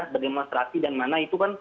berdemonstrasi dan mana itu kan